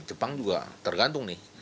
jepang juga tergantung nih